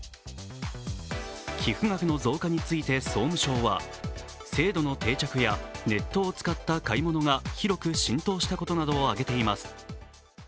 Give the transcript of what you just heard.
寄付額の増加について総務省は、制度の定着やネットを使った買い物が広く浸透したことなどを挙げています。